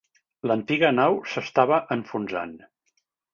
L'antiga nau s'estava enfonsant.